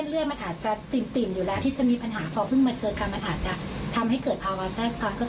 เนื่องจากโรงพยาบาลของเราเป็นโรงพยาบาลขนาดเล็ก